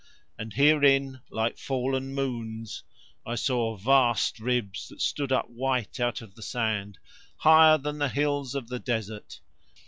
And herein, like fallen moons, I saw vast ribs that stood up white out of the sand, higher than the hills of the desert.